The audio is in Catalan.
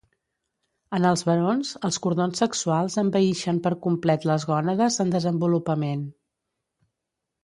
En els barons, els cordons sexuals envaïxen per complet les gònades en desenvolupament.